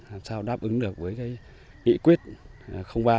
làm sao đáp ứng được với nghị quyết ba của hội đồng nhân tỉnh đưa ra